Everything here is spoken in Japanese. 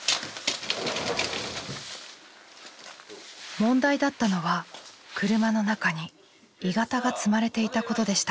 問題だったのは車の中に「鋳型」が積まれていたことでした。